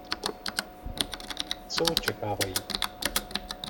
Co očekávají?